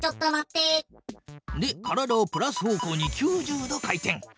で体をプラス方向に９０度回転。